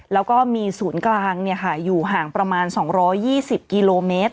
แล้วก็มีศูนย์กลางเนี้ยค่ะอยู่ห่างประมาณสองร้อยยี่สิบกิโลเมตร